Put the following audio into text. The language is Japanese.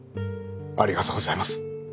ありがとうございます